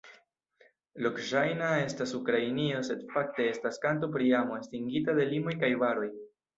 Lokŝajna estas Ukrainio sed fakte estas kanto pri amo estingita de limoj kaj baroj.